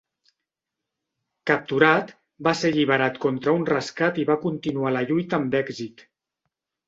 Capturat, va ser alliberat contra un rescat i va continuar la lluita amb èxit.